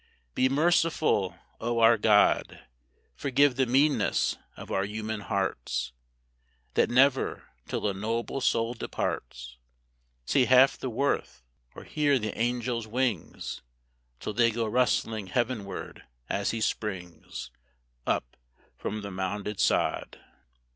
Be merciful, O our God! Forgive the meanness of our human hearts, That never, till a noble soul departs, See half the worth, or hear the angel's wings Till they go rustling heavenward as he springs Up from the mounded sod.